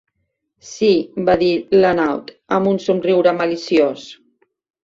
"Sí", va dir l'Hanaud, amb un somriure maliciós.